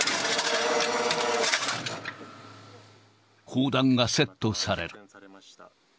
砲弾がセットされる。